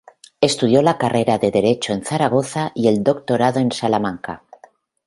Estudió la carrera de Derecho en Zaragoza y el doctorado en Salamanca.